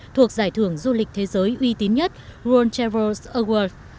thuộc giải thưởng du lịch thế giới uy tín nhất ron chavos award